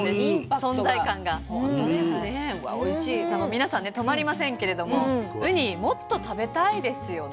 皆さんね止まりませんけれどもウニもっと食べたいですよね。